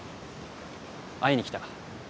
会いに来た。